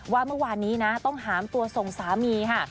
ว่าเมื่อวานนี้นะต้องหามตัวส่งสามีค่ะ